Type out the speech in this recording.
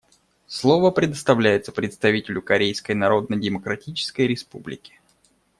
Слово предоставляется представителю Корейской Народно-Демократической Республики.